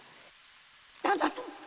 〔旦那様！